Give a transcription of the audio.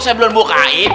saya belum bukain